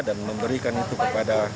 dan memberikan itu kepada